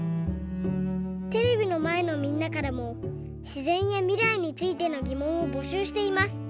テレビのまえのみんなからもしぜんやみらいについてのぎもんをぼしゅうしています。